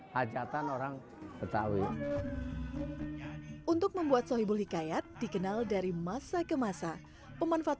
maka mengangkat sohibul hikayat disajikan di setiap acara acara malam mangkat